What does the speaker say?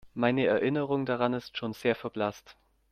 Meine Erinnerung daran ist schon sehr verblasst.